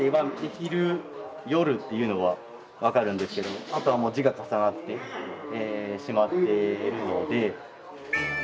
「昼夜」っていうのは分かるんですけどあとはもう字が重なってしまっているので。